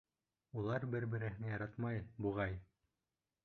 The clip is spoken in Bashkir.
Улар бер-береһен яратмай, буғай.